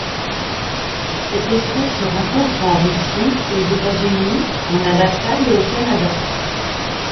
Cette espèce se rencontre en Russie, aux États-Unis en Alaska et au Canada.